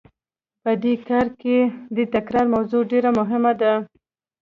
په دې کار کې د تکرار موضوع ډېره مهمه ده.